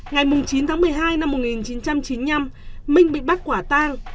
ngày chín tháng một mươi hai năm một nghìn chín trăm chín mươi năm minh bị bắt quả tang